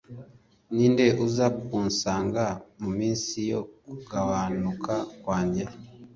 ninde uza kunsanga muminsi yo kugabanuka kwanjye